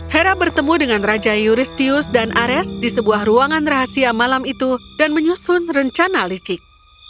hera bertemu dengan raja yuristius dan ares di sebuah ruangan rahasia malam itu dan menyusun rencana licik